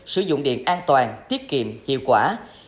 sử dụng điện an toàn tiết kiệm hiệu quả